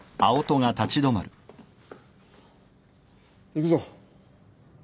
行くぞ。